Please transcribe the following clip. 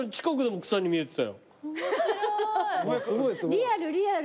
リアルリアル。